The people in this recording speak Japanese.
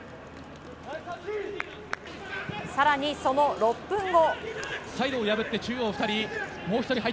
更にその６分後。